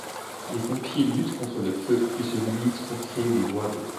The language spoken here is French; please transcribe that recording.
Les pompiers luttent contre le feu, puis se limitent pour créer des voies d'eau.